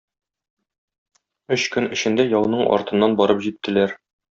Өч көн эчендә яуның артыннан барып җиттеләр.